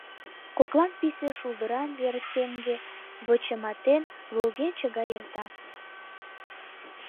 Коклан писе шулдыран варсеҥге, вычыматен, волгенче гай эрта.